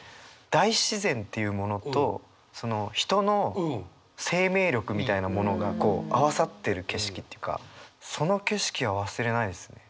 大自然というものと人の生命力みたいなものが合わさってる景色というかその景色は忘れないですね。